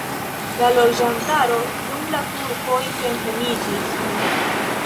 La loĝantaro dum la turkoj senhomiĝis.